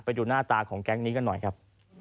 ไปดูหน้าตาของแก๊งนี้กันหน่อยครับ